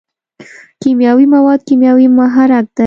کیمیاوي مواد کیمیاوي محرک دی.